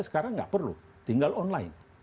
sekarang nggak perlu tinggal online